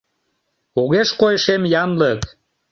Огеш кой шем янлык.